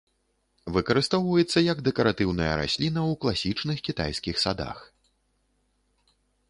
Выкарыстоўваецца як дэкаратыўная расліна ў класічных кітайскіх садах.